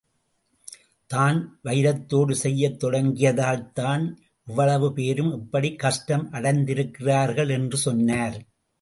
தான் வைரத்தோடு செய்யத் தொடங்கியதால் தான் இவ்வளவு பேரும் இப்படிக் கஷ்டம் அடைந்திருக்கிறார்கள் என்று சொன்னார்.